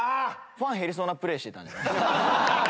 ファン減りそうなプレーしてた。